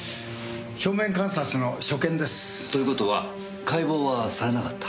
表面観察の所見です。という事は解剖はされなかった？